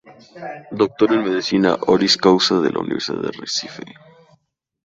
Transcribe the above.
Doctor en Medicina "honoris causa" de la Universidad de Recife